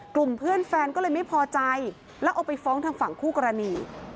กลุ่มเพื่อนแฟนก็เลยไม่พอใจแล้วเอาไปฟ้องทางฝั่งคู่กรณี